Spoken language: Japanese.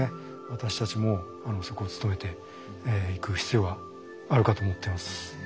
私たちもそこを努めていく必要があるかと思ってます。